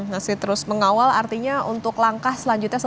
masih terus mengawal artinya untuk langkah selanjutnya